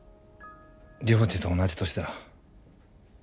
涼二と同じ年だ。